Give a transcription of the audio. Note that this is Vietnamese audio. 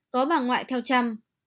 có bà ngoại theo chăm